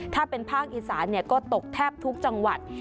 ถ้าเป็นภาคอีสานก็ตกแทบทุกจังหวัด